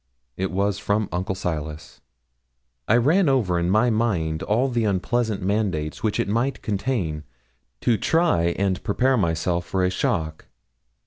It was from Uncle Silas. I ran over in my mind all the unpleasant mandates which it might contain, to try and prepare myself for a shock.